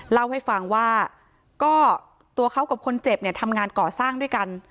เล่าให้ฟังว่าก็ตัวเขากับคนเจ็บเนี่ยทำงานก่อสร้างด้วยกัน